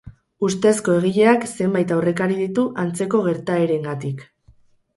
Ustezko egileak zenbait aurrekari ditu, antzeko gertaerengatik.